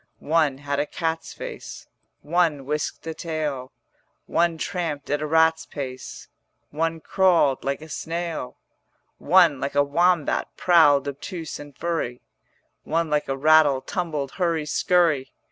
70 One had a cat's face, One whisked a tail, One tramped at a rat's pace, One crawled like a snail, One like a wombat prowled obtuse and furry, One like a ratel tumbled hurry skurry.